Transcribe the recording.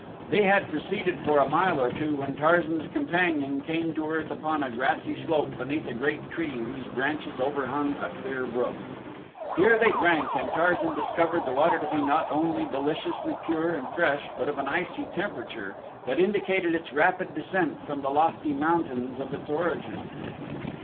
They had proceeded for a mile or two when Tarzan's companion came to earth upon a grassy slope beneath a great tree whose branches overhung a clear brook. Here they drank and Tarzan discovered the water to be not only deliciously pure and fresh but of an icy temperature that indicated its rapid descent from the lofty mountains of its origin.